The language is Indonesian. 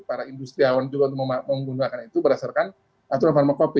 para industriawan juga untuk menggunakan itu berdasarkan aturan pharmacopy